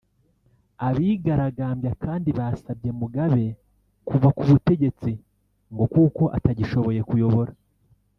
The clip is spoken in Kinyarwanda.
Abigaragambya kandi basabye Mugabe kuva ku butegetsi ngo kuko atagishoboye kuyobora